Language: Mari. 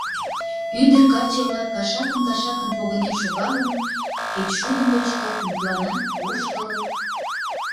Ӱдыр-каче-влак, кашакын-кашакын погынен шогалын, кечшудым лочкат, мутланат, воштылыт.